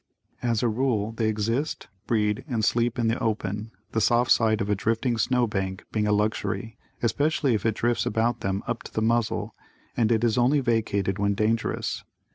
As a rule, they exist, breed and sleep in the open, the soft side of a drifting snow bank being a luxury, especially if it drifts about them up to the muzzle, and it is only vacated when dangerous.